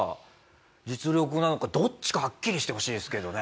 実力なのかどっちかはっきりしてほしいですけどね。